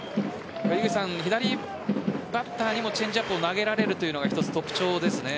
左バッターにもチェンジアップを投げられるというのが一つ特徴ですね。